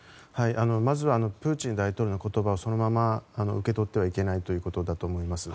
まずはプーチン大統領の言葉をそのまま受け取ってはいけないということだと思います。